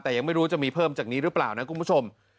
แต่ยังไม่รู้จะมีเพิ่มจากนี้หรือเปล่านะคุณผู้ชม